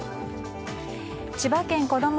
千葉県こども